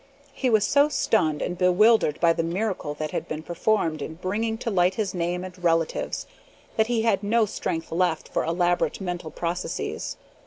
He was so stunned and bewildered by the miracle that had been performed in bringing to light his name and relatives that he had no strength left for elaborate mental processes.